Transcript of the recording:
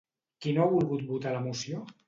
Qui no ha volgut votar la moció?